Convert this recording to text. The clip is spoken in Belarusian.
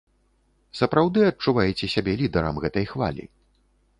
Сапраўды адчуваеце сябе лідарам гэтай хвалі?